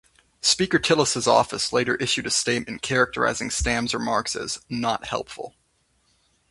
Speaker Tillis' office later issued a statement characterizing Stam's remarks as "not helpful".